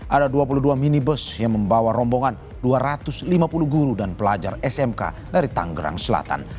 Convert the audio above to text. ada dua puluh dua minibus yang membawa rombongan dua ratus lima puluh guru dan pelajar smk dari tanggerang selatan